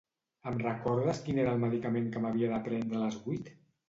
Em recordes quin era el medicament que m'havia de prendre a les vuit?